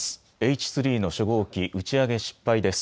Ｈ３の初号機打ち上げ失敗です。